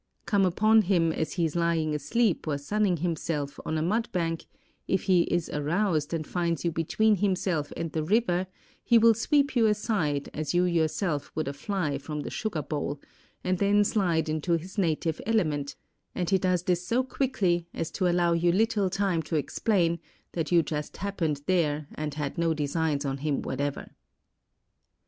Come upon him as he is lying asleep or sunning himself on a mud bank, if he is aroused and finds you between himself and the river he will sweep you aside as you yourself would a fly from the sugar bowl, and then slide into his native element, and he does this so quickly as to allow you little time to explain that you just happened there and had no designs on him whatever.